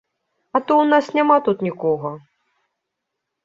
А то ў нас няма тут нікога!